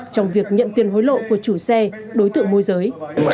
trong việc nhận tiền hối lộ của chủ xe đối tượng môi giới